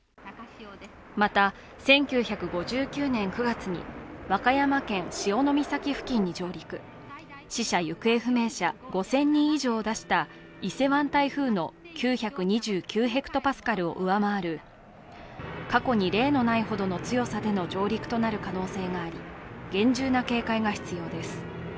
また、１９５９年９月に和歌山県潮岬付近に上陸、死者・行方不明者５０００人以上を出した伊勢湾台風の９２９ｈＰａを上回る過去に例のないほどの強さでの上陸となる可能性があり、厳重な警戒が必要です。